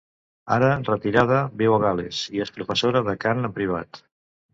Ara retirada, viu a Gal·les i és professora de cant en privat.